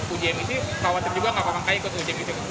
uji emisi tawatan juga nggak pakai ikut uji emisi